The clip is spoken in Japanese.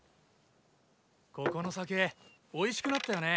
ここの酒おいしくなったよね。